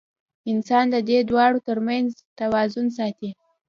انسان د دې دواړو تر منځ توازن ساتي.